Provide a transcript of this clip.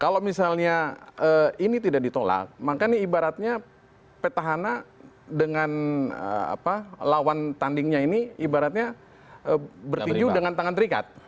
kalau misalnya ini tidak ditolak maka ini ibaratnya petahana dengan lawan tandingnya ini ibaratnya bertinju dengan tangan terikat